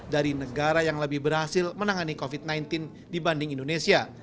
dari negara yang lebih berhasil menangani covid sembilan belas dibanding indonesia